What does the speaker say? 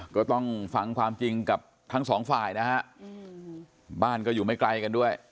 ก็ต้องฟังความจริงกับทั้งสองฝ่ายนะฮะบ้านก็อยู่ไม่ไกลกันด้วย